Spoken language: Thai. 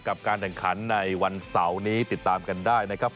การแข่งขันในวันเสาร์นี้ติดตามกันได้นะครับ